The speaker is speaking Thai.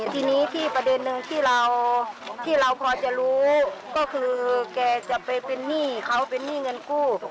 ทีนี้ที่ประเด็นหนึ่งที่เราพอจะรู้ก็คือแกจะไปเป็นหนี้เขาเป็นหนี้เงินกู้